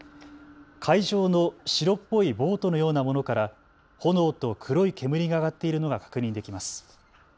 海上の白っぽいボートのようなものから炎と黒い煙が上がっているのが確認できます。